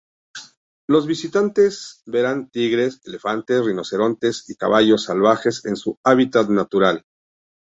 Los visitantes verán tigres, elefantes, rinocerontes y caballos salvajes en su hábitat natural.